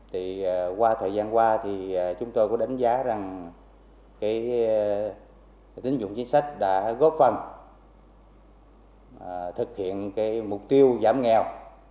thời gian qua chúng tôi có đánh giá rằng tín dụng chính sách đã góp phần thực hiện mục tiêu giảm nghèo